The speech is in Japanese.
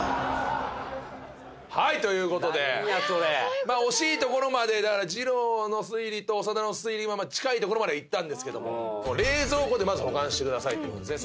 はいということでなんやそれまあ惜しいところまでだからじろうの推理と長田の推理は近いところまではいったんですけども冷蔵庫でまず保管してくださいっていうことですね